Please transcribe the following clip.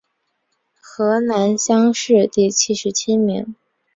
河南乡试第七十七名。